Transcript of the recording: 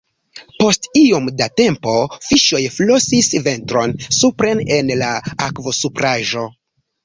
Post iom da tempo fiŝoj flosis ventron supren en la akvosupraĵo.